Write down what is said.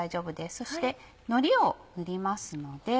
そしてのりを塗りますので。